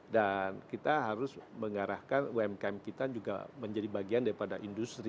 dan kita harus mengarahkan umkm kita juga menjadi bagian dari industri